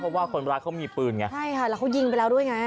เพราะว่าคนร้ายเขามีปืนไงใช่ค่ะแล้วเขายิงไปแล้วด้วยไง